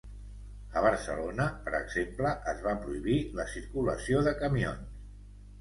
A Barcelona, per exemple, es va prohibir la circulació de camions.